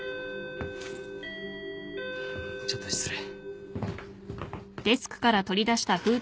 ・ちょっと失礼。